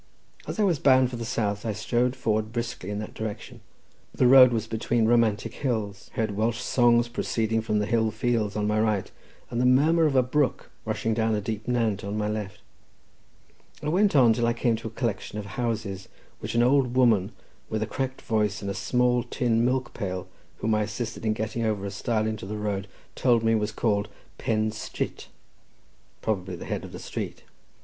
As I was bound for the south, I strode forward briskly in that direction. The road was between romantic hills; heard Welsh songs proceeding from the hill fields on my right, and the murmur of a brook rushing down a deep nant on my left. I went on till I came to a collection of houses which an old woman, with a cracked voice and a small tin milk pail, whom I assisted in getting over a stile into the road, told me was called Pen Strit—probably the head of the street.